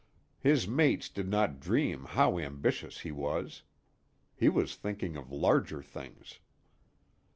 His mates did not dream how ambitious he was. He was thinking of larger things.